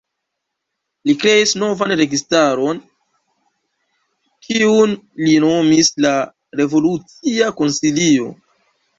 Li kreis novan registaron, kiun li nomis la "Revolucia Konsilio".